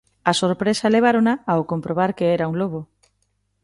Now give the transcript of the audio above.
A sorpresa levárona ao comprobar que era un lobo.